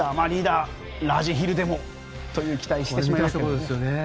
リーダー、ラージヒルでもと期待してしまいますね。